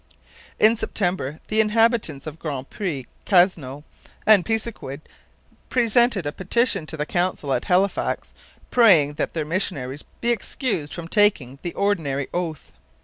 In September the inhabitants of Grand Pre, Canso, and Pisiquid presented a petition to the Council at Halifax, praying that their missionaries be excused from taking the ordinary oath.